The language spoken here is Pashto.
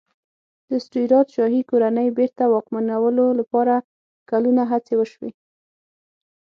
د سټیوراټ شاهي کورنۍ بېرته واکمنولو لپاره کلونه هڅې وشوې.